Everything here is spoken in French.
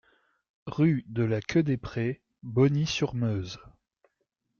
Rue de la Queue des Prés, Bogny-sur-Meuse